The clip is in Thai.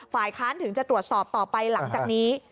ฝ่ายค้านถึงจะตรวจสอบต่อไปหลังจากนี้